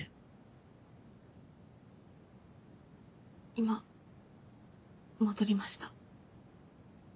今戻りました。